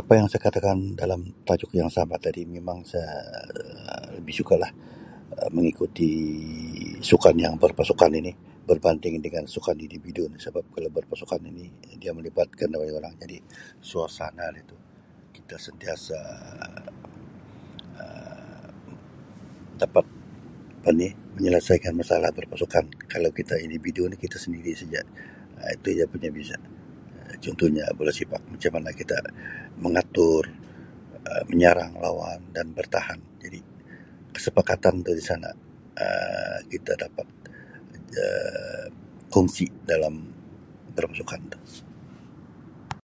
Apa yang saya katakan dalam tajuk yang sama tadi mimang sa Um lebih suka lah Um mengikuti sukan yang berpasukan ini berbanding dangan sukan individu ni sabab kalau berpasukan ini dia melibatkan [unintelligible] tadi suasana laitu. Kita sentiasa Um dapat- apa ni? menyelesaikan masalah berpasukan. Kalau kita individu ni kita sendiri seja. Um Itu dia punya biza. Um Contohnya, bola sipak. Macam mana kita mangatur, Um manyarang lawan, dan bartahan jadi kesepakatan tu di sana. Um Kita dapat Um kongsi dalam- dalam sukan tu.